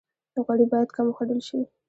غوړي باید کم وخوړل شي